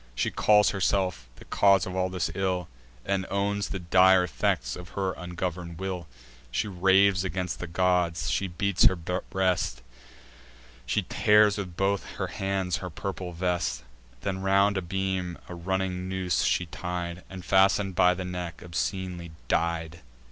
She calls herself the cause of all this ill, And owns the dire effects of her ungovern'd will; She raves against the gods; she beats her breast; She tears with both her hands her purple vest: Then round a beam a running noose she tied, And, fasten'd by the neck, obscenely died.